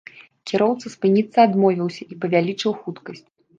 Кіроўца спыніцца адмовіўся і павялічыў хуткасць.